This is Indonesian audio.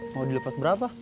mau dilepas berapa